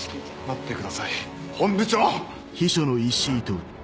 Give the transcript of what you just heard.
待ってください本部長！